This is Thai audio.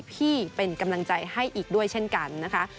ที่เป็นกำลังใจให้อีกด้วยเช่นกันนะคะ